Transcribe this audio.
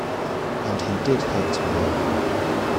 And he did hurt my arm.